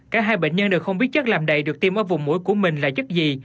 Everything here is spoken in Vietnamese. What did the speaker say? cả hai bệnh nhân đều không biết chất làm đầy được tiêm ở vùng mũi của mình là chất gì